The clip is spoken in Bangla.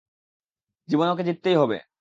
জীবনে ওকে জিততেই হবে!